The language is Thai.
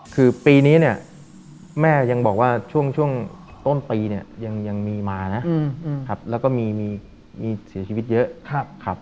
คือปีนี้เนี่ยแม่ยังบอกว่าช่วงต้นปีเนี่ยยังมีมานะครับแล้วก็มีเสียชีวิตเยอะครับ